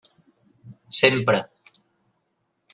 Sempre.